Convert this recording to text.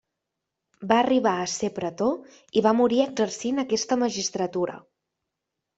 Va arribar a ser pretor i va morir exercint aquesta magistratura.